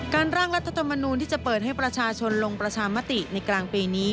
ร่างรัฐธรรมนูลที่จะเปิดให้ประชาชนลงประชามติในกลางปีนี้